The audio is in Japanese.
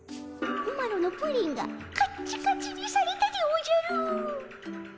マロのプリンがカッチカチにされたでおじゃる。